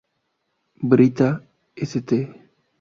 Brita St.